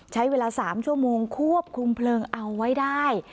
ใช้เวลา๓ชั่วโมงควบคุมเพลิงเอาไว้ได้